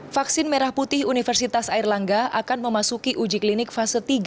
vaksin merah putih universitas airlangga akan memasuki uji klinik fase tiga